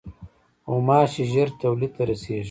غوماشې ژر تولید ته رسېږي.